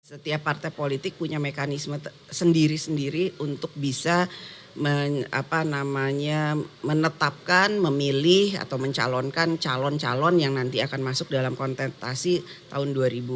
setiap partai politik punya mekanisme sendiri sendiri untuk bisa menetapkan memilih atau mencalonkan calon calon yang nanti akan masuk dalam kontestasi tahun dua ribu dua puluh